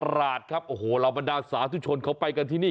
ประหลาดครับโอ้โหเราบันดาลสาธุชนเข้าไปกันที่นี่